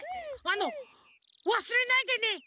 あの「わすれないでね。